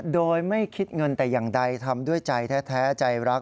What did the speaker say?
โดยไม่คิดเงินแต่อย่างใดทำด้วยใจแท้ใจรัก